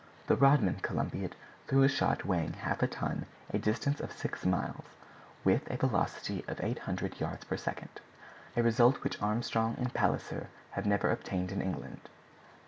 The Rodman Columbiad threw a shot weighing half a ton a distance of six miles, with a velocity of 800 yards per second—a result which Armstrong and Palisser have never obtained in England."